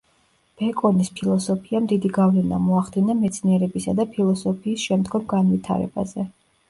ბეკონის ფილოსოფიამ დიდი გავლენა მოახდინა მეცნიერებისა და ფილოსოფიის შემდგომ განვითარებაზე.